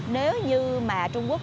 nếu như mà trung quốc